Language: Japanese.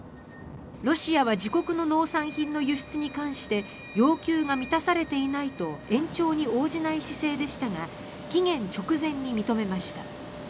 ロシアは自国の農産品の輸出に関して要求が満たされていないと延長に応じない姿勢でしたが期限直前に認めました。